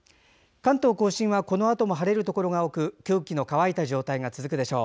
関東・甲信はこのあとも晴れるところが多く空気の乾いた状態が続くでしょう。